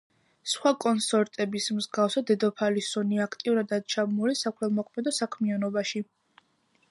სხვა კონსორტების მსგავსად, დედოფალი სონია აქტიურადაა ჩაბმული საქველმოქმედო საქმიანობაში.